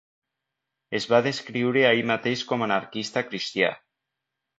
Es va descriure a ell mateix com anarquista cristià.